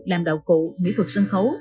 làm đạo cụ mỹ thuật sân khấu